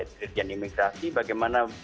dirjanjian imigrasi bagaimana